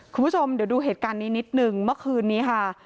คุณผู้ชมเดี๋ยวดูเหตุการณ์นี้นิดนึงเมื่อคืนนี้ค่ะ